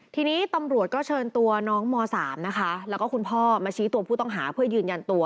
ทีนี้ตำรวจก็เชิญตัวน้องม๓นะคะแล้วก็คุณพ่อมาชี้ตัวผู้ต้องหาเพื่อยืนยันตัว